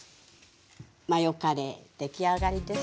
マヨカレー出来上がりです。